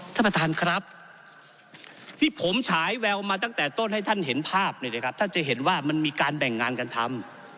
ท่านประธานครับที่ผมฉายแววมาตั้งแต่ต้นให้ท่านเห็นภาพเนี่ยนะครับท่านจะเห็นว่ามันมีการแบ่งงานกันทำ